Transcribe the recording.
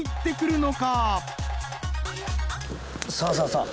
さあさあさあ。